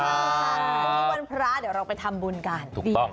วันนี้วันพระเดี๋ยวเราไปทำบุญกัน